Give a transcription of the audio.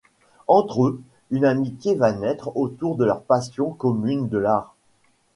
Entre eux, une amitié va naître autour de leur passion commune de l'art...